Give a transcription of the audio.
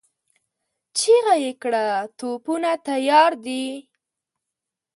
چيغه يې کړه! توپونه تيار دي؟